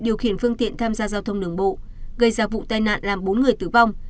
điều khiển phương tiện tham gia giao thông đường bộ gây ra vụ tai nạn làm bốn người tử vong